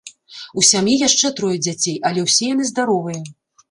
У сям'і яшчэ трое дзяцей, але ўсе яны здаровыя.